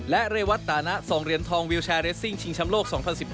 และเรวัตตานะ๒เหรียญทองวิวแชร์เรสซิ่งชิงชำโลก๒๐๑๙